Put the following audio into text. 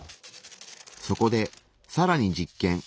そこでさらに実験。